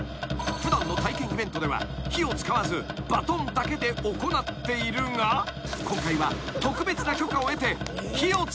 ［普段の体験イベントでは火を使わずバトンだけで行っているが今回は］